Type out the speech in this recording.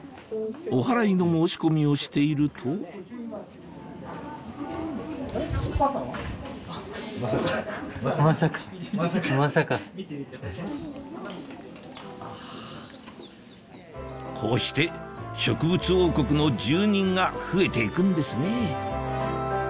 おはらいの申し込みをしているとこうして植物王国の住人が増えて行くんですね